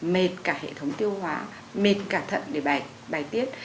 mệt cả hệ thống tiêu hóa mệt cả thận để bài tiết